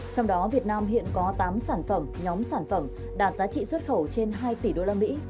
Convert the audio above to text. trong đó việt nam hiện có tám sản phẩm nhóm sản phẩm đạt giá trị xuất khẩu trên hai tỷ đô la mỹ